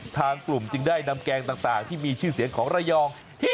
ทางกลุ่มจึงได้นำแกงต่างที่มีชื่อเสียงของระยอง